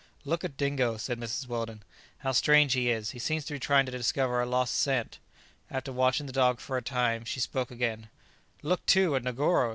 "Look at Dingo!" said Mrs. Weldon; "how strange he is! he seems to be trying to discover a lost scent." After watching the dog for a time, she spoke again: "Look, too, at Negoro!